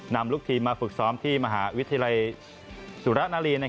นำลูกทีมมาฝึกซ้อมที่มหาวิทยาลัยสุรนารี